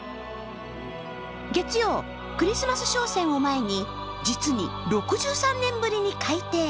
月曜、クリスマス商戦を前に実に６３年ぶりに改訂。